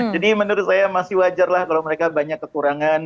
jadi menurut saya masih wajar kalau mereka banyak kekurangan